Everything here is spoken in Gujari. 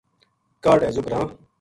کاہڈ ہیضو گراں